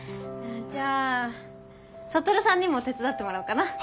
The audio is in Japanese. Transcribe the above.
じゃあ羽さんにも手伝ってもらおうかな。